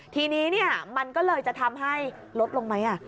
ทีนี้เนี่ยมันก็เลยจะทำให้ลดลงไหมอ่ะ